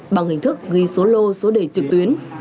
bằng hình thức ghi số lô số đề trực tuyến